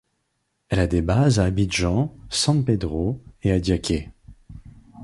Elle a des bases à Abidjan, San Pédro et Adiaké.